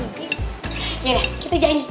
yaudah kita janji